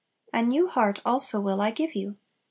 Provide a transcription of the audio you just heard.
"A new heart also will I give you."